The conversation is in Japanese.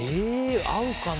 合うかね。